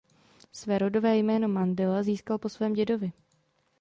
Své rodové jméno Mandela získal po svém dědovi.